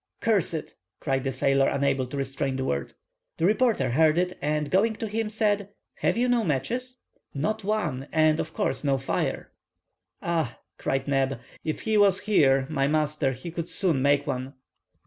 "Curse it!" cried the sailor, unable to restrain the word. The reporter heard it, and going to him said:—"Have you no matches?" "Not one; and, of course, no fire." "Ah," cried Neb, "if he was here, my master, he could soon make one."